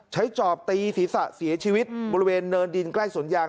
จอบตีศีรษะเสียชีวิตบริเวณเนินดินใกล้สวนยาง